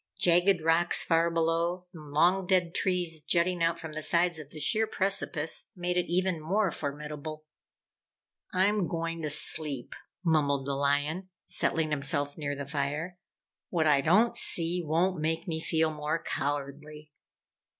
Jagged rocks far below, and long dead trees jutting out from the sides of the sheer precipice, made it even more formidable. "I'm going to sleep," mumbled the lion, settling himself near the fire. "What I don't see, won't make me feel more cowardly."